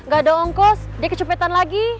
gak ada ongkos dia kecepetan lagi